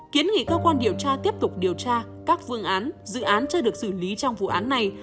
kiến nghị cơ quan điều tra tiếp tục điều tra các phương án dự án chưa được xử lý trong vụ án này